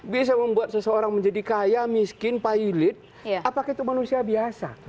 bisa membuat seseorang menjadi kaya miskin pilot apakah itu manusia biasa